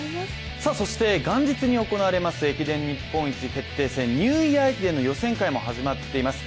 そして元日に行われます駅伝日本一決定戦ニューイヤー駅伝の予選会も始まっています。